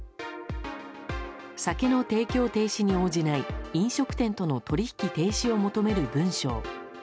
酒の提供停止に応じない飲食店との取引停止を求める文章。